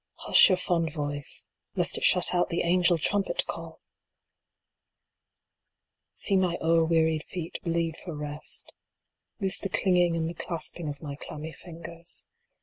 Hush your fond voice, lest it shut out the angel trum pet call ! See my o erwearied feet bleed for rest Loose the clinging and the casping of my clammy fingers.